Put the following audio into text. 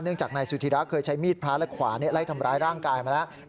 จากนายสุธิระเคยใช้มีดพระและขวาไล่ทำร้ายร่างกายมาแล้ว